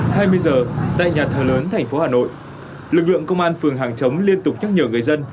hai mươi giờ tại nhà thờ lớn thành phố hà nội lực lượng công an phường hàng chống liên tục nhắc nhở người dân